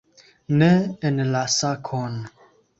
Ne en la sakon!